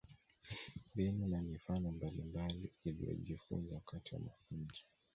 Mbinu na mifano mbalimbali aliyojifunza wakati wa mafunzo